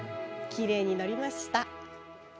きれいに載りました。